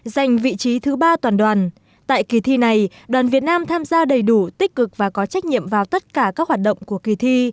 giành vị trí thứ ba toàn đoàn tại kỳ thi này đoàn việt nam tham gia đầy đủ tích cực và có trách nhiệm vào tất cả các hoạt động của kỳ thi